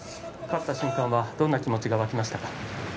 勝った瞬間はどんな気持ちが湧きましたか。